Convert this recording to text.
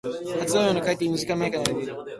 発売日の開店する二時間前から並んでいる。